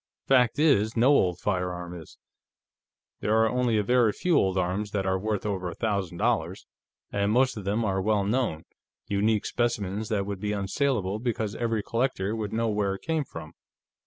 Fact is, no old firearm is. There are only a very few old arms that are worth over a thousand dollars, and most of them are well known, unique specimens that would be unsaleable because every collector would know where it came from."